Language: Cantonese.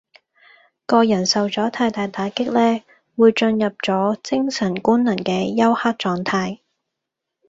個人受咗太大打擊呢，會進入咗精神官能嘅休克狀態